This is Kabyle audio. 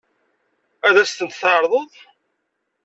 Ad as-tent-tɛeṛḍeḍ?